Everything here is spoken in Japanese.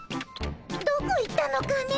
どこ行ったのかね。